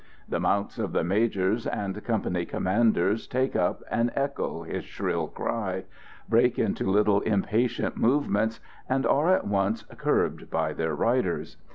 The mounts of the majors and company commanders take up and echo his shrill cry, break into little impatient movements, and are at once curbed by their riders.